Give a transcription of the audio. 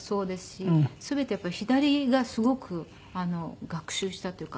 全てやっぱり左がすごく学習したというか。